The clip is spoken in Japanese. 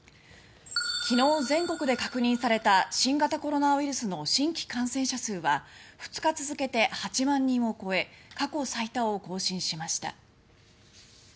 昨日、全国で確認された新型コロナウイルスの新規感染者数は２日続けて８万人を超え過去最多を更新しました。